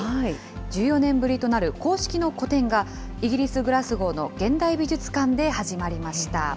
１４年ぶりとなる公式の個展が、イギリス・グラスゴーの現代美術館で始まりました。